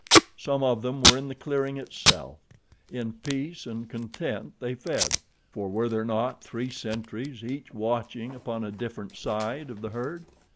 Some of them were in the clearing itself. In peace and content they fed, for were there not three sentries, each watching upon a different side of the herd?